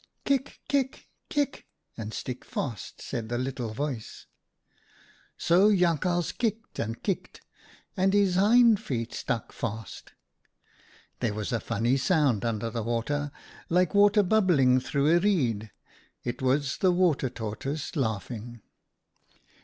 Kick, kick, kick, and stick fast,' said the little voice. " So Jakhals kicked and kicked, and his hind feet stuck fast. " There was a funny sound under the water, like water bubbling through a reed. It was the Water Tortoise laughing.